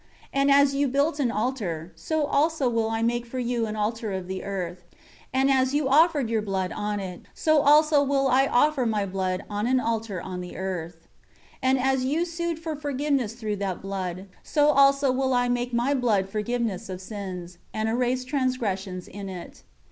And as you built an altar, so also will I make for you an altar of the earth; and as you offered your blood on it, so also will I offer My blood on an altar on the earth. 5 And as you sued for forgiveness through that blood, so also will I make My blood forgiveness of sins, and erase transgressions in it.